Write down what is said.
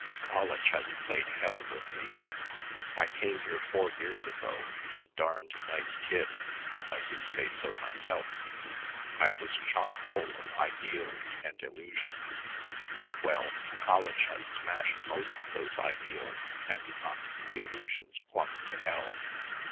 College has played hell with me. I came here four years ago a darned nice kid, if I do say so myself. I was chock full of ideals and illusions. Well, college has smashed most of those ideals and knocked the illusions plumb to hell.